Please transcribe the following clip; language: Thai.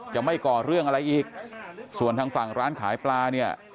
จะไม่ก่อเรื่องอะไรอีกส่วนทางฝั่งร้านขายปลาเนี่ย